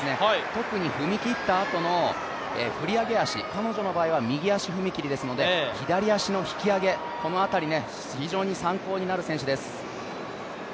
特に踏み切ったあとの振り上げ足、彼女の場合は右足踏み切りですので左足の引き上げ、このあたり、非常に参考になる選手です。